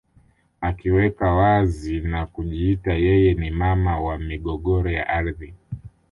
Akiweka wazi na kujiita yeye ni mama wa migogoro ya ardhi